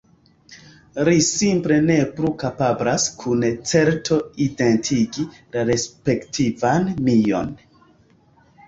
Li simple ne plu kapablas kun certo identigi la respektivan mion.